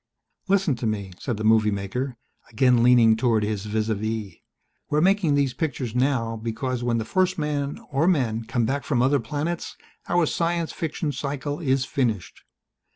"Listen to me," said the movie maker, again leaning toward his vis à vis. "We're making these pictures now because when the first man or men come back from other planets our science fiction cycle is finished.